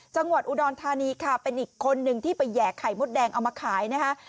จังหวัดอุดรธานีค่ะเป็นอีกคนนึงที่ไปแห่ไข่มดแดงเอามาขายนะคะ